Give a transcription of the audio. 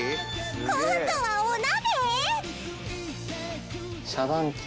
今度はお鍋！？